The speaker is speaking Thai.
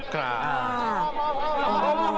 ครับอ๋อ